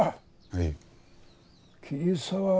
はい。